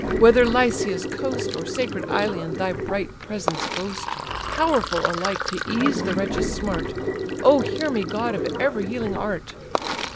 whether Lycia's coast, Or sacred Ilion, thy bright presence boast, Powerful alike to ease the wretch's smart; O hear me! god of every healing art!